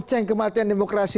terus di mana kematian demokrasi